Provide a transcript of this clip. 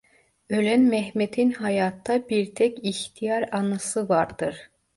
Ölen Mehmet’in hayatta bir tek ihtiyar anası vardır.